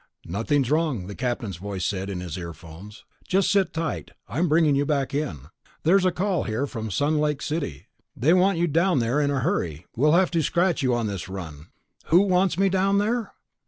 "Nothing's wrong," the captain's voice said in his earphones. "Just sit tight. I'm bringing you back in. There's a call here from Sun Lake City. They want you down there in a hurry. We'll have to scratch you on this run." "Who wants me down there?"